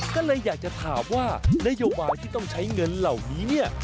ก็เลยอยากจะถามว่านโยบายที่ต้องใช้เงินเหล่านี้เนี่ย